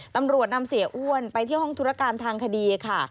ตำรวจนำเสียอ้วนไปที่ห้องธุรการทางคดีค่ะ